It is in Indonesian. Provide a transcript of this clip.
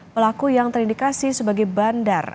pelaku yang terindikasi sebagai bandar